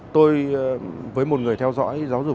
tôi với một người theo dõi giáo dục